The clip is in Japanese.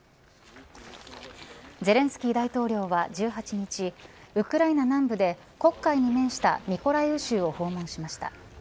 ゼレンスキー大統領は１８日ウクライナ南部で黒海に面したミコライウ州を訪問しました。